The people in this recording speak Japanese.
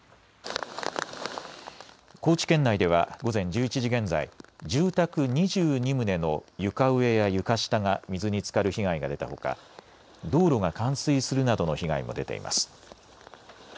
高知県内では午前１１時現在、住宅２２棟の床上や床下が水につかる被害が出たほか道路が冠水するなどの被害も出ています。